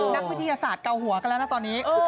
นักวิทยาศาสตร์เกาหัวกันแล้วนะตอนนี้